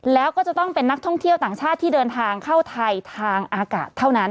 แล้วก็จะต้องเป็นนักท่องเที่ยวต่างชาติที่เดินทางเข้าไทยทางอากาศเท่านั้น